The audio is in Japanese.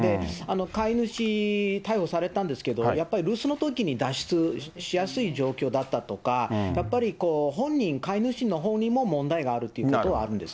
飼い主、逮捕されたんですけれども、やっぱり留守のときに、脱出しやすい状況だったとか、やっぱり本人、飼い主のほうにも問題があるっていうことはあるんです。